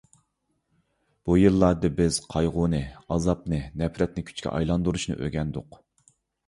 بۇ يىللاردا بىز قايغۇنى، ئازابنى، نەپرەتنى كۈچكە ئايلاندۇرۇشنى ئۆگەندۇق.